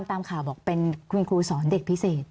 ตามข่าวบอกเป็นคุณครูสอนเด็กพิเศษ